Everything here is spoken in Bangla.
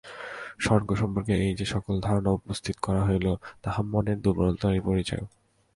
স্বর্গ সম্পর্কে এই যে-সকল ধারণা উপস্থাপিত করা হইল, তাহা মনের দুর্বলতারই পরিচায়ক।